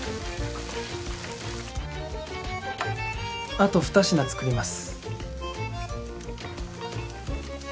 あと２品作ります。